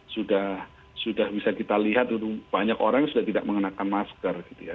sudah bisa kita lihat banyak orang yang sudah tidak mengenakan masker gitu ya